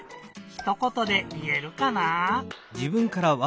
ひとことでいえるかな？